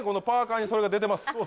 パーカーにそれが出てます